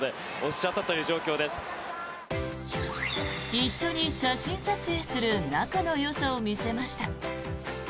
一緒に写真撮影する仲のよさを見せました。